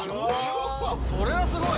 それはすごい！